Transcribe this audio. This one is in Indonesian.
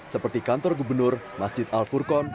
seperti kantor gubernur masjid al furqon